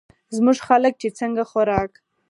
زمونږ خلک چې څنګه خوراک